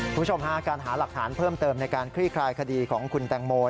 คุณผู้ชมฮะการหาหลักฐานเพิ่มเติมในการคลี่คลายคดีของคุณแตงโม